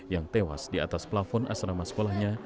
yang tewas di atas plafon asrama sekolahnya